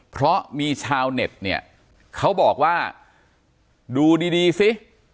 เพราะมีชาวเน็ตเนี่ยเขาบอกว่าดูดีดีสิ